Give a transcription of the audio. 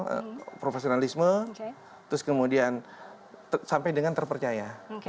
soal profesionalisme terus kemudian sampai dengan terpercaya